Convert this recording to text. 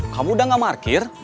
kamu udah gak parkir